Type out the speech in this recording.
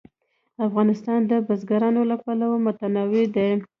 افغانستان د بزګان له پلوه متنوع دی.